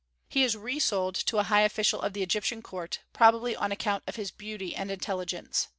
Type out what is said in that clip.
He is resold to a high official of the Egyptian court, probably on account of his beauty and intelligence.